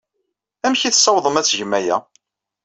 Amek ay tessawḍem ad tgem aya?